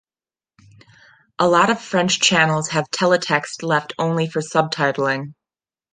A lot of French channels have teletext left only for subtitling.